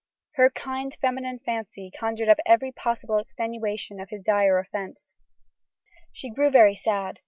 Her kind feminine fancy conjured up every possible extenuation of his dire offence. She grew very sad.